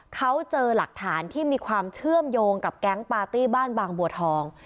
เขาเจอหลักฐานที่มีความเชื่อมโยงกับแก๊งปาร์ตี้บ้านบางบัวทอง